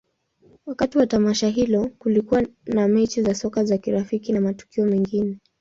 Wakati wa tamasha hilo, kulikuwa na mechi za soka za kirafiki na matukio mengine.